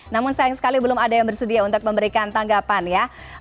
namun sayang sekali belum ada yang bersedia untuk memberikan tanggapan ya